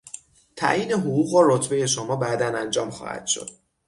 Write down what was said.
تعیین حقوق و رتبهی شما بعدا انجام خواهد شد.